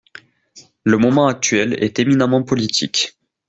Le moment actuel est éminemment politique.